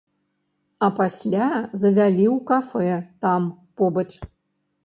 А пасля завялі ў кафэ там, побач.